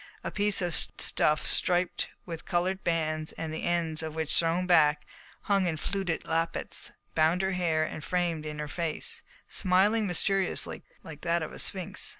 A piece of stuff striped with coloured bands, the ends of which, thrown back, hung in fluted lappets, bound her hair and framed in her face, smiling mysteriously like that of a sphinx.